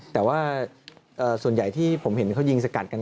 แต่ว่าส่วนใหญ่ที่ผมเห็นเขายิงสกัดกัน